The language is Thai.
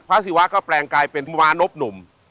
ภาษีวะก็แปลงกลายเป็นมหานบหนุ่ม